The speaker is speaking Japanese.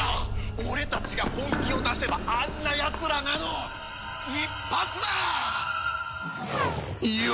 俺たちが本気を出せばあんなやつらなど一発だ！